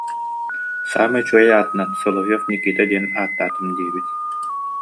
Саамай үчүгэй аатынан, Соловьев Никита, диэн ааттаатым диэбит